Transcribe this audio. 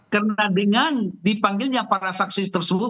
karena dengan dipanggilnya para saksi tersebut